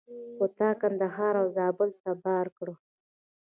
خو تا کندهار او زابل ته بار کړه.